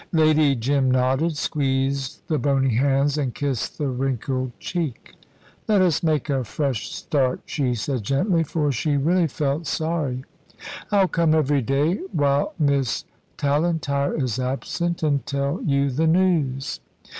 Lady Jim nodded, squeezed the bony hands, and kissed the wrinkled cheek. "Let us make a fresh start," she said gently, for she really felt sorry. "I'll come every day while Miss Tallentire is absent and tell you the news."